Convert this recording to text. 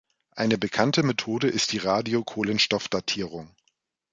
Eine bekannte Methode ist die Radiokohlenstoffdatierung.